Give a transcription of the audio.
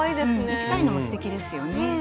短いのもすてきですよね。